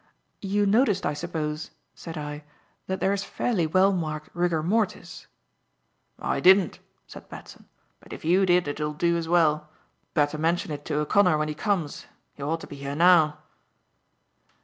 "You noticed, I suppose," said I, "that there is fairly well marked rigor mortis?" "I didn't," said Batson, "but if you did it'll do as well. Better mention it to O'Connor when he comes. He ought to be here now."